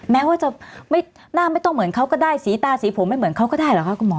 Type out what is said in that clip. แม้ว่าจะไม่หน้าไม่ต้องเหมือนเขาก็ได้สีตาสีผมไม่เหมือนเขาก็ได้เหรอคะคุณหมอ